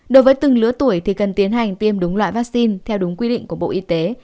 đối với từng lứa tuổi thì cần tiến hành tiêm đúng loại vaccine theo đúng quy định của bộ y tế